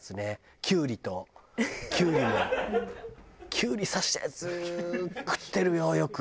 きゅうり刺したやつ食ってるよよく。